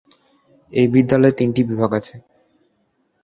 এই বিদ্যালয়ে তিনটি বিভাগ আছে।